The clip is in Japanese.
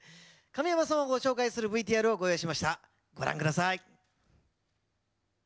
神山さんを紹介するＶＴＲをご用意しました。